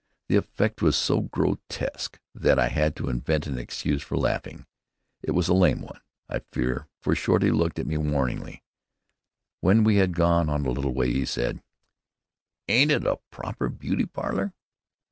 The effect was so grotesque that I had to invent an excuse for laughing. It was a lame one, I fear, for Shorty looked at me warningly. When we had gone on a little way he said: "Ain't it a proper beauty parlor?